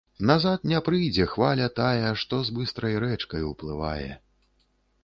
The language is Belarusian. Назад ня прыйдзе хваля тая, што з быстрай рэчкай уплывае